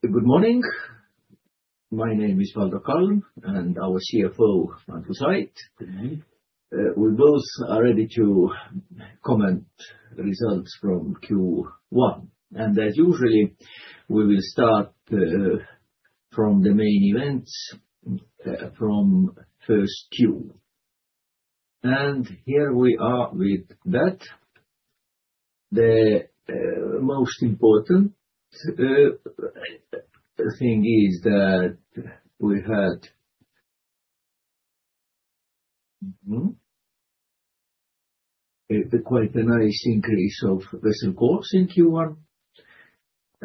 Good morning. My name is Valdo Kalm, and our CFO, Andrus Ait. Good morning. We both are ready to comment on the results from Q1. As usual, we will start from the main events from first Q. Here we are with that. The most important thing is that we had quite a nice increase of vessel calls in Q1.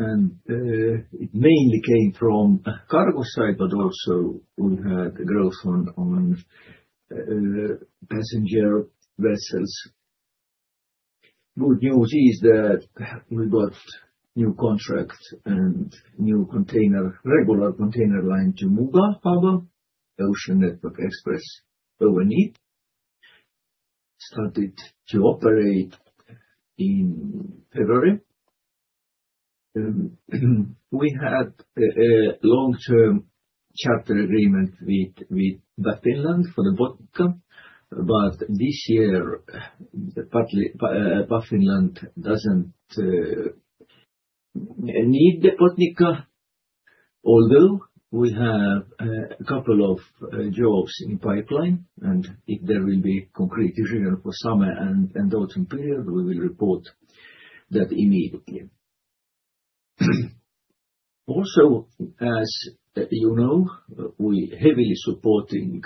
It mainly came from the cargo side, but also we had growth on passenger vessels. Good news is that we got new contracts and new regular container lines to Muuga, Paga, Ocean Network Express, one. Started to operate in February. We had a long-term charter agreement with Baffinland for the Botnica, but this year Baffinland does not need the Botnica. Although we have a couple of jobs in pipeline, and if there will be concrete decisions for summer and autumn period, we will report that immediately. Also, as you know, we are heavily supporting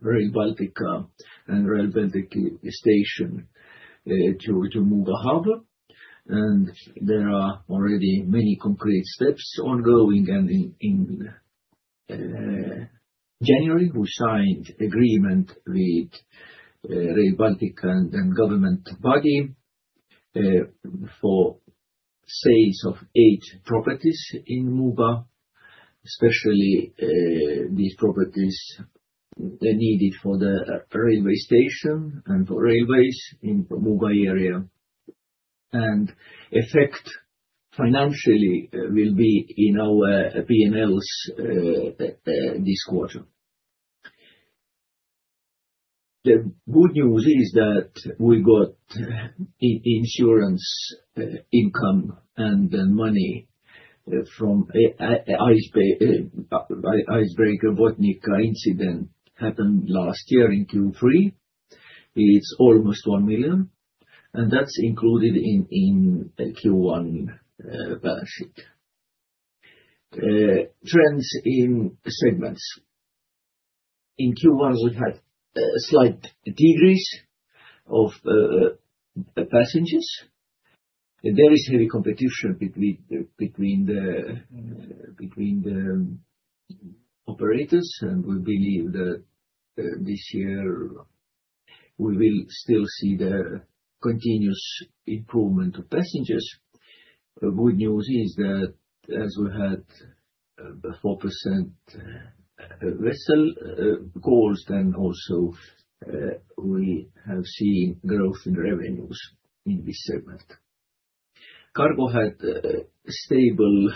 Rail Baltica and Rail Baltica Station to Muuga harbor. There are already many concrete steps ongoing. In January, we signed an agreement with Rail Baltica and the government body for sales of eight properties in Muuga, especially these properties needed for the railway station and for railways in the Muuga area. The effect financially will be in our P&Ls this quarter. The good news is that we got insurance income and money from the icebreaker Botnica incident that happened last year in Q3. It's almost 1 million. That's included in Q1 balance sheet. Trends in segments. In Q1, we had slight decrease of passengers. There is heavy competition between the operators, and we believe that this year we will still see the continuous improvement of passengers. The good news is that as we had 4% vessel calls, then also we have seen growth in revenues in this segment. Cargo had stable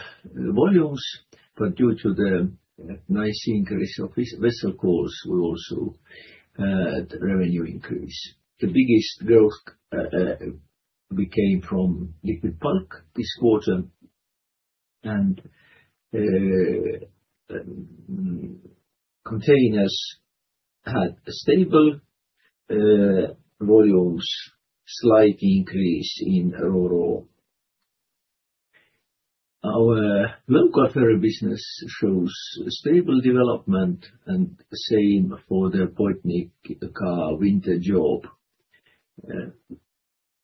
volumes, but due to the nice increase of vessel calls, we also had revenue increase. The biggest growth came from liquid bulk this quarter. And containers had stable volumes, slight increase in Ro-Ro. Our local ferry business shows stable development, and same for the Botnica winter job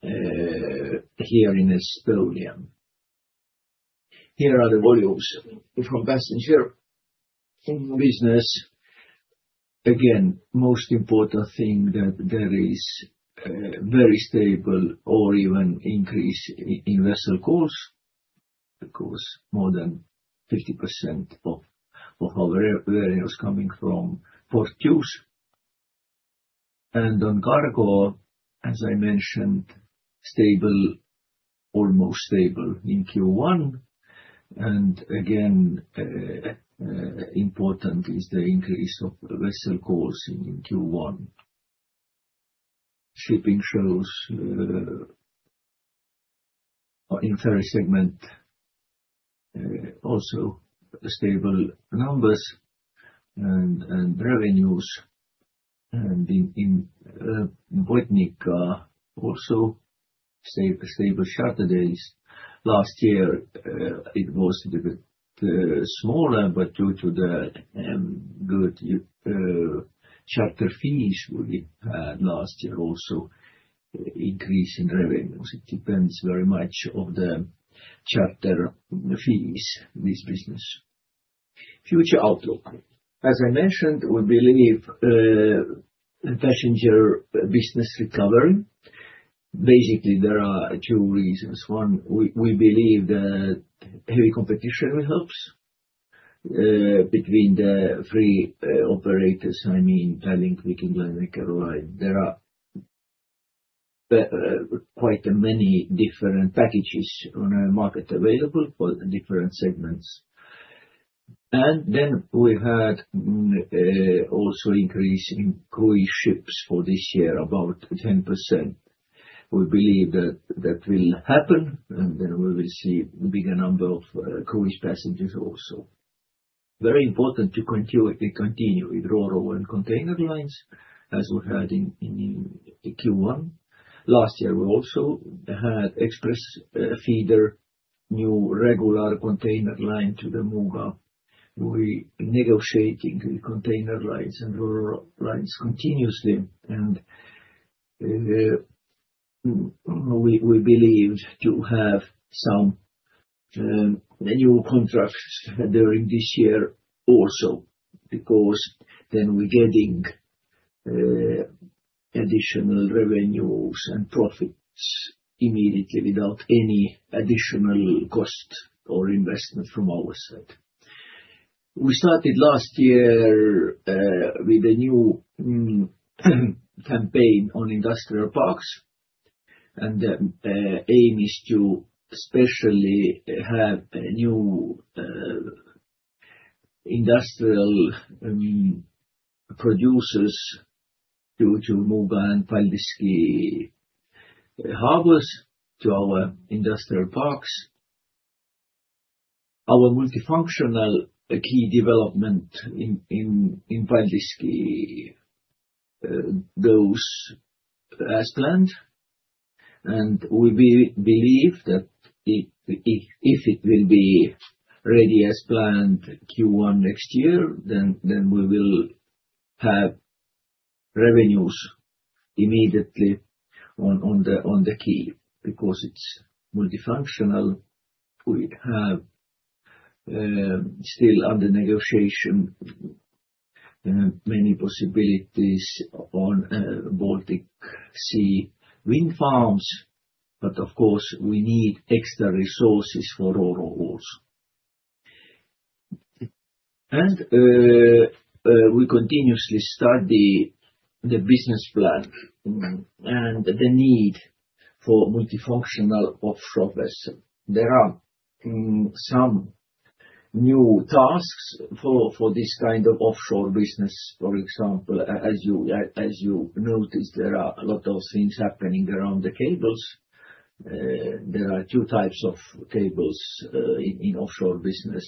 here in Estonia. Here are the volumes from passenger business. Again, the most important thing is that there is very stable or even increase in vessel calls. Of course, more than 50% of our revenues are coming from port use. And on cargo, as I mentioned, stable, almost stable in Q1. Again, important is the increase of vessel calls in Q1. Shipping shows in ferry segment also stable numbers and revenues. In Botnica, also stable charter days. Last year, it was a bit smaller, but due to the good charter fees we had last year, also increase in revenues. It depends very much on the charter fees, this business. Future outlook. As I mentioned, we believe passenger business is recovering. Basically, there are two reasons. One, we believe that heavy competition helps between the three operators, I mean, Tallink, Viking, Eckerö, and Caroline. There are quite many different packages on the market available for different segments. We had also an increase in cruise ships for this year, about 10%. We believe that that will happen, and we will see a bigger number of cruise passengers also. Very important to continue with Ro-Ro and container lines, as we had in Q1. Last year, we also had X-Press Feeders, new regular container line to Muuga. We are negotiating with container lines and Ro-Ro lines continuously. We believe to have some new contracts during this year also, because we are getting additional revenues and profits immediately without any additional cost or investment from our side. We started last year with a new campaign on industrial parks. The aim is to especially have new industrial producers due to Muuga and Paldiski harbors to our industrial parks. Our multifunctional quay development in Paldiski goes as planned. We believe that if it will be ready as planned Q1 next year, we will have revenues immediately on the quay, because it is multifunctional. We have still under negotiation many possibilities on Baltic Sea wind farms. Of course, we need extra resources for Ro-Ro also. We continuously study the business plan and the need for multifunctional offshore vessels. There are some new tasks for this kind of offshore business. For example, as you noticed, there are a lot of things happening around the cables. There are two types of cables in offshore business: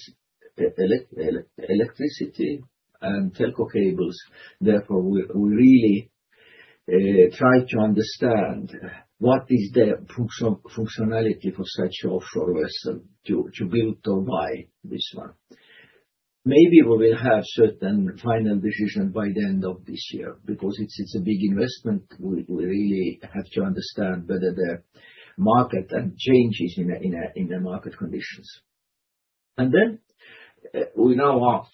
electricity and telco cables. Therefore, we really try to understand what is the functionality for such offshore vessels to build or buy this one. Maybe we will have a certain final decision by the end of this year, because it's a big investment. We really have to understand whether the market and changes in the market conditions. We now are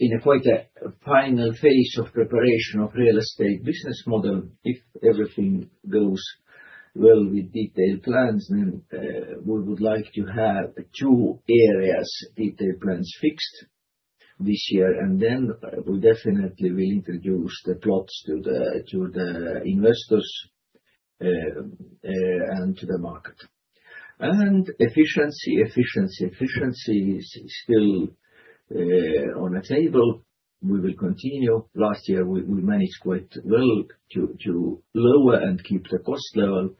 in quite a final phase of preparation of the real estate business model. If everything goes well with detailed plans, we would like to have two areas' detailed plans fixed this year. We definitely will introduce the plots to the investors and to the market. Efficiency, efficiency, efficiency is still on the table. We will continue. Last year, we managed quite well to lower and keep the cost level.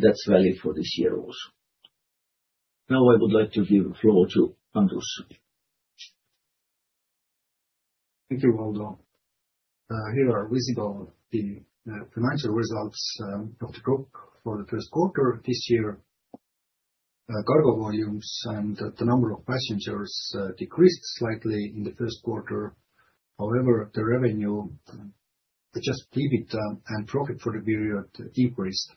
That's valid for this year also. Now, I would like to give the floor to Andrus. Thank you, Valdo. Here are visible the financial results of the group for the first quarter of this year. Cargo volumes and the number of passengers decreased slightly in the first quarter. However, the revenue, adjusted EBITDA and profit for the period, increased.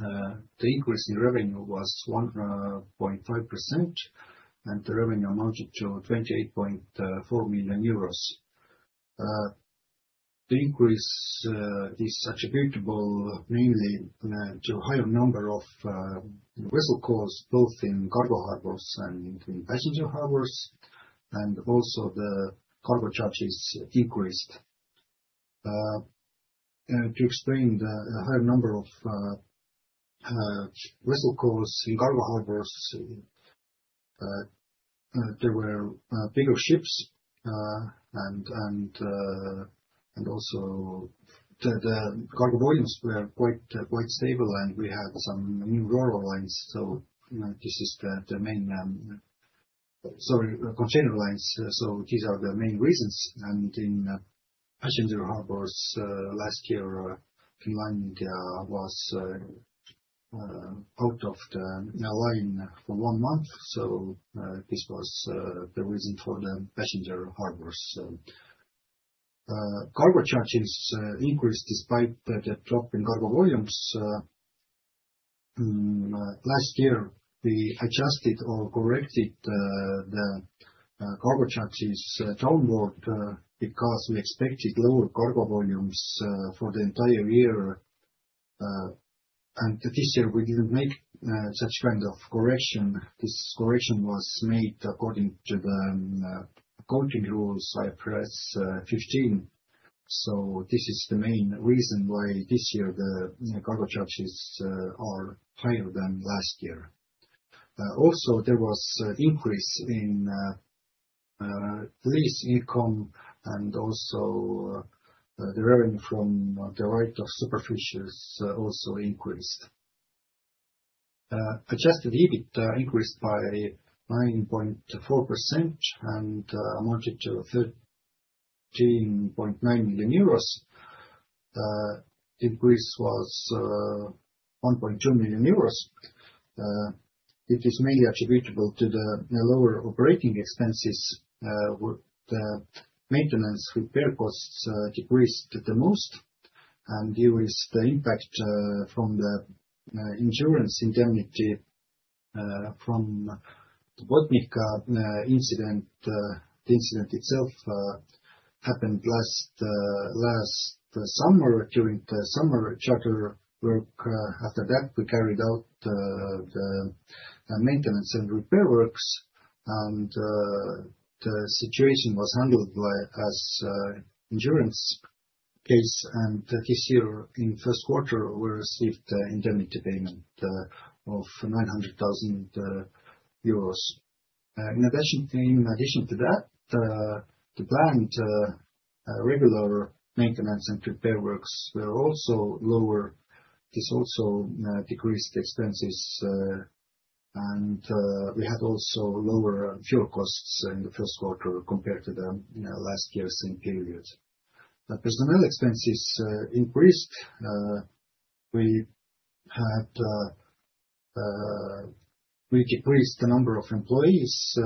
The increase in revenue was 1.5%, and the revenue amounted to 28.4 million euros. The increase is attributable mainly to a higher number of vessel calls, both in cargo harbors and in passenger harbors. Also, the cargo charges increased. To explain the higher number of vessel calls in cargo harbors, there were bigger ships, and also the cargo volumes were quite stable, and we had some new Ro-Ro lines. This is the main—sorry, container lines. These are the main reasons. In passenger harbors, last year, Finland was out of the line for one month. This was the reason for the passenger harbors. Cargo charges increased despite the drop in cargo volumes. Last year, we adjusted or corrected the cargo charges downward because we expected lower cargo volumes for the entire year. This year, we did not make such kind of correction. This correction was made according to the quoting rules IFRS 15. This is the main reason why this year the cargo charges are higher than last year. Also, there was an increase in lease income, and also the revenue from the right of superficials also increased. Adjusted EBITDA increased by 9.4% and amounted to 13.9 million euros. The increase was 1.2 million euros. It is mainly attributable to the lower operating expenses. The maintenance repair costs decreased the most, and there is the impact from the insurance indemnity from the Botnica incident. The incident itself happened last summer during the summer charter work. After that, we carried out the maintenance and repair works, and the situation was handled by us, insurance case. This year, in the first quarter, we received indemnity payment of 900,000 euros. In addition to that, the planned regular maintenance and repair works were also lower. This also decreased expenses, and we had also lower fuel costs in the first quarter compared to last year's same period. Personnel expenses increased. We decreased the number of employees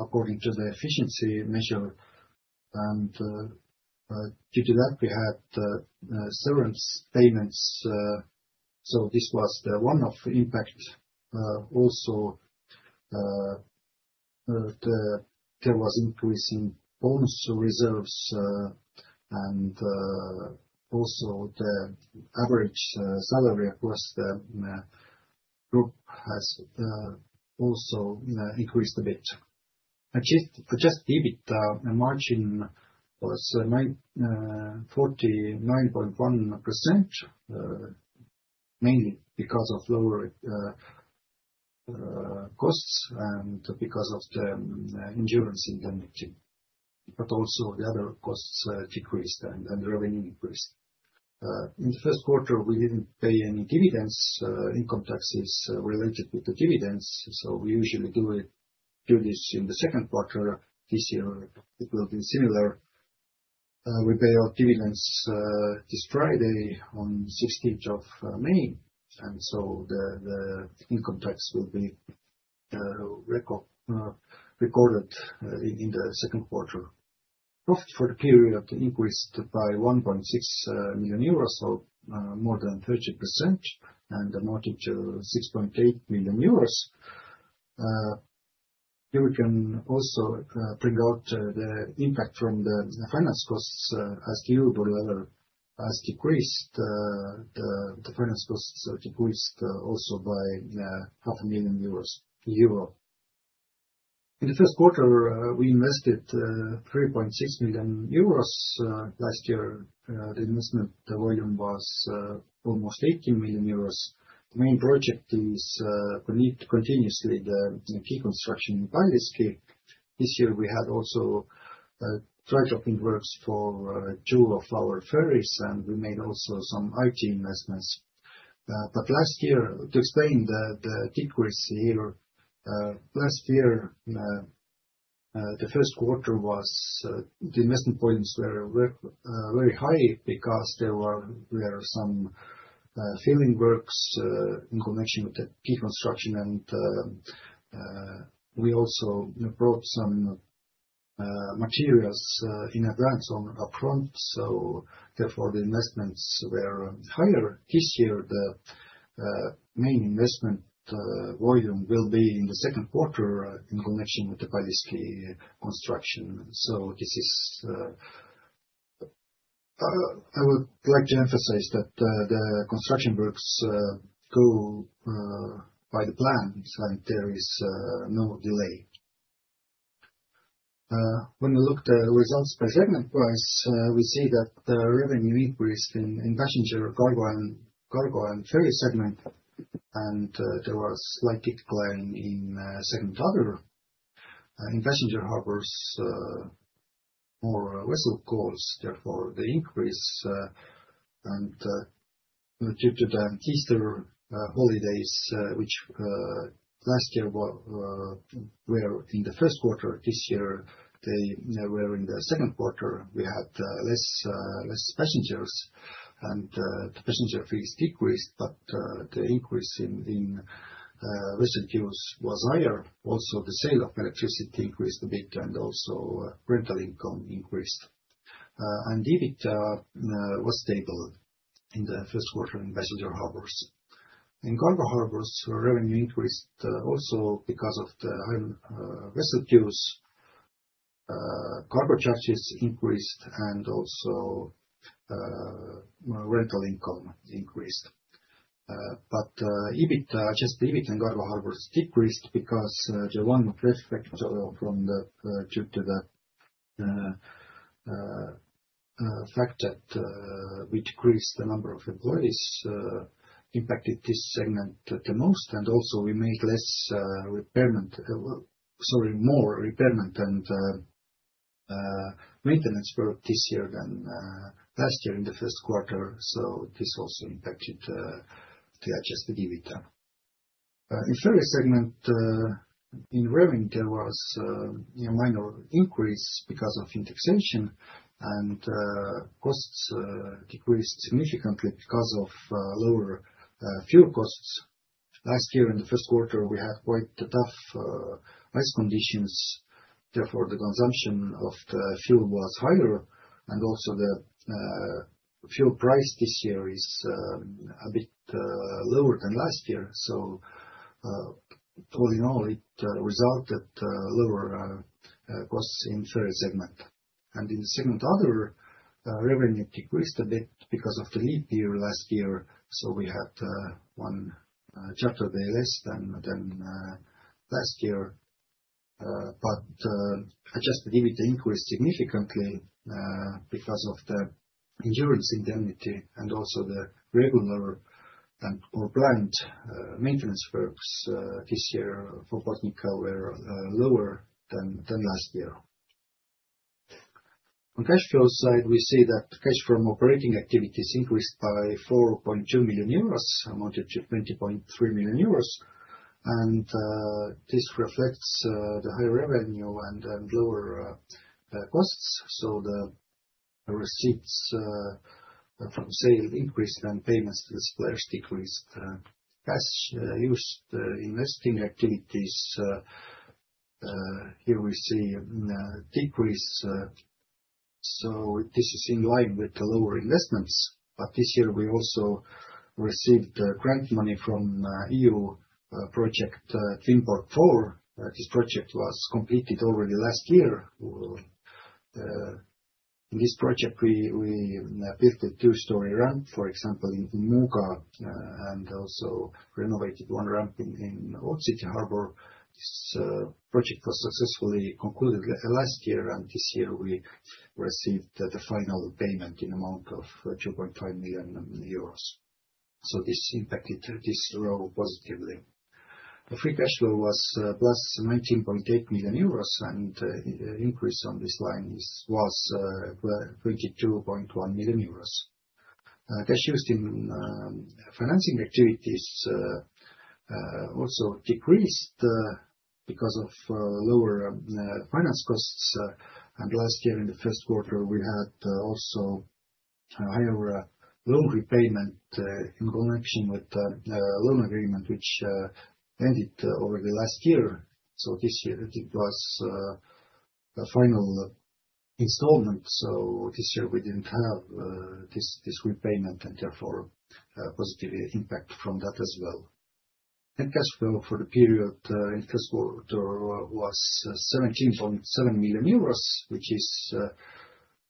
according to the efficiency measure. Due to that, we had severance payments. This was one of the impacts. Also, there was an increase in bonus reserves, and the average salary across the group has also increased a bit. Adjusted EBITDA margin was 49.1%, mainly because of lower costs and because of the insurance indemnity. Also, the other costs decreased and the revenue increased. In the first quarter, we did not pay any dividends, income taxes related to the dividends. We usually do this in the second quarter. This year, it will be similar. We pay our dividends this Friday, on the 16th of May. The income tax will be recorded in the second quarter. Profit for the period increased by 1.6 million euros, so more than 30%, and amounted to 6.8 million euros. Here we can also bring out the impact from the finance costs. As the euro dollar level has decreased, the finance costs decreased also by EUR 500,000 million. In the first quarter, we invested 3.6 million euros. Last year, the investment volume was almost 18 million euros. The main project is continuously the quay construction in Paldiski. This year, we had also dry docking works for two of our ferries, and we made also some IT investments. Last year, to explain the decrease here, last year, the first quarter was the investment volumes were very high because there were some filling works in connection with the quay construction. We also brought some materials in advance or upfront. Therefore, the investments were higher. This year, the main investment volume will be in the second quarter in connection with the Paldiski construction. I would like to emphasize that the construction works go by the plan, and there is no delay. When we look at the results by segment price, we see that the revenue increased in passenger, cargo, and ferry segment. There was a slight decline in segment other in passenger harbors, more vessel calls. Therefore, the increase—and due to the Easter holidays, which last year were in the first quarter, this year they were in the second quarter, we had fewer passengers. The passenger fees decreased, but the increase in vessel queues was higher. Also, the sale of electricity increased a bit, and also rental income increased. EBITDA was stable in the first quarter in passenger harbors. In cargo harbors, revenue increased also because of the high vessel queues. Cargo charges increased, and also rental income increased. Adjusted EBITDA in cargo harbors decreased because the one reflected from the due to the fact that we decreased the number of employees impacted this segment the most. Also, we made less repairment—sorry, more repairment and maintenance work this year than last year in the first quarter. This also impacted the adjusted EBITDA. In ferry segment, in revenue, there was a minor increase because of indexation, and costs decreased significantly because of lower fuel costs. Last year, in the first quarter, we had quite tough ice conditions. Therefore, the consumption of the fuel was higher. Also, the fuel price this year is a bit lower than last year. All in all, it resulted in lower costs in ferry segment. In the segment other, revenue decreased a bit because of the leap year last year. We had one charter day less than last year. Adjusted EBITDA increased significantly because of the insurance indemnity. Also, the regular and/or planned maintenance works this year for Botnica were lower than last year. On cash flow side, we see that cash from operating activities increased by 4.2 million euros, amounted to 20.3 million euros. This reflects the high revenue and lower costs. The receipts from sales increased and payments to the suppliers decreased. Cash used in investing activities, here we see a decrease. This is in line with the lower investments. This year, we also received grant money from the EU project Twin Port four. This project was completed already last year. In this project, we built a two-story ramp, for example, in Muuga, and also renovated one ramp in Old City Harbor. This project was successfully concluded last year, and this year, we received the final payment in the amount of 2.5 million euros. This impacted this row positively. The free cash flow was plus 19.8 million euros, and the increase on this line was 22.1 million euros. Cash used in financing activities also decreased because of lower finance costs. Last year, in the first quarter, we had also higher loan repayment in connection with the loan agreement, which ended over the last year. This year, it was a final installment. This year, we did not have this repayment, and therefore, positive impact from that as well. Net cash flow for the period in the first quarter was 17.7 million euros, which is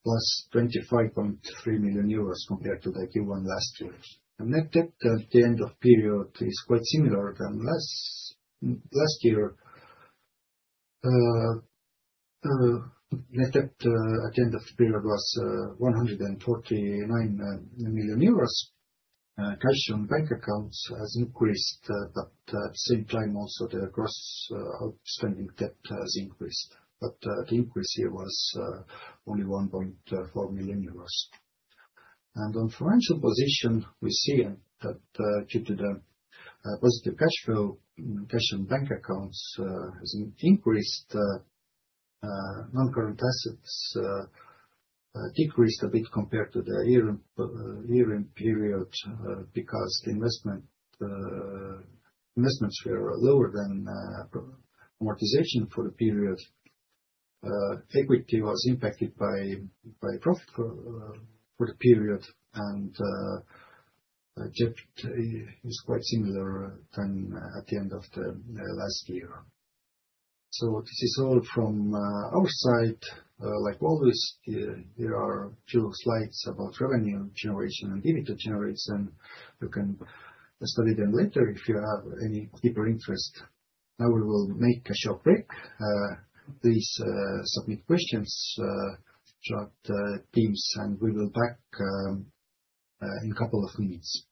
plus 25.3 million euros compared to Q1 last year. Net debt at the end of period is quite similar to last year. Net debt at the end of the period was 149 million euros. Cash on bank accounts has increased, but at the same time, also the gross outstanding debt has increased. The increase here was only 1.4 million euros. On financial position, we see that due to the positive cash flow, cash on bank accounts has increased. Non-current assets decreased a bit compared to the year-end period because the investments were lower than amortization for the period. Equity was impacted by profit for the period, and debt is quite similar at the end of the last year. This is all from our side. Like always, there are a few slides about revenue generation and EBITDA generation, and you can study them later if you have any deeper interest. Now we will make a short break. Please submit questions, chat, teams, and we will be back in a couple of minutes.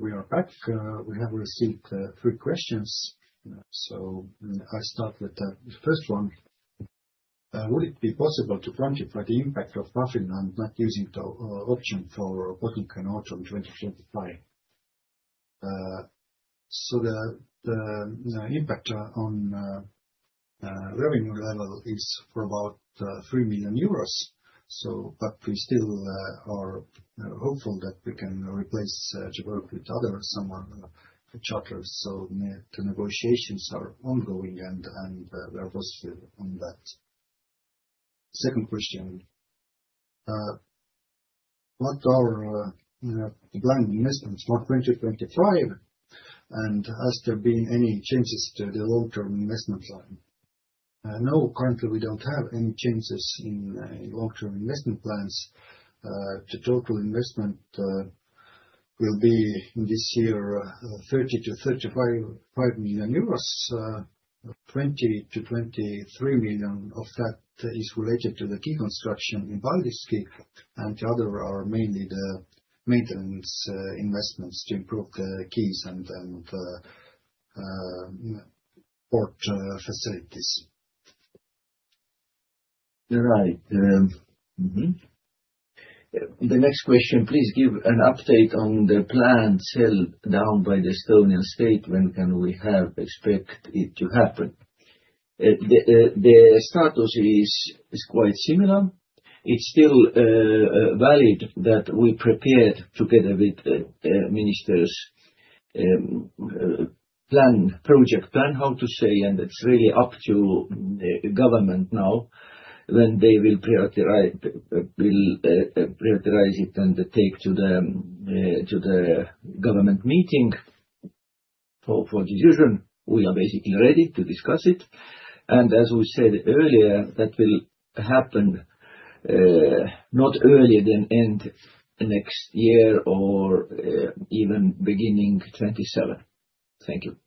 We are back. We have received three questions. I'll start with the first one. Would it be possible to quantify the impact of roughing and not using the option for Botnica Nord on 2025? The impact on revenue level is for about 3 million euros. We still are hopeful that we can replace Gevorg with some other charter. The negotiations are ongoing, and we're positive on that. Second question. What are the planned investments for 2025? And has there been any changes to the long-term investment plan? No, currently, we don't have any changes in long-term investment plans. The total investment will be this year, 30 million-35 million euros. 20 million-23 million of that is related to the quay construction in Paldiski. The other are mainly the maintenance investments to improve the quays and port facilities. You're right. The next question, please give an update on the planned sale down by the Estonian State. When can we expect it to happen? The status is quite similar. It's still valid that we prepared together with ministers' project plan, how to say, and it's really up to the government now when they will prioritize it and take to the government meeting for decision. We are basically ready to discuss it. As we said earlier, that will happen not earlier than end next year or even beginning 2027. Thank you.